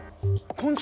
昆虫？